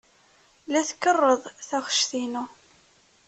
La tkerreḍ taɣect-inu.